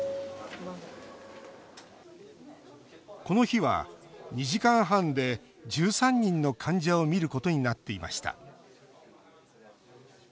この日は、２時間半で１３人の患者を診ることになっていました。